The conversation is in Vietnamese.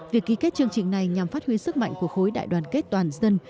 việc ký kết chương trình này nhằm phát huy sức mạnh của khối đại đoàn kết toàn dân